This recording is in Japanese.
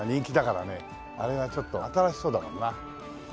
あれがちょっと新しそうだもんな。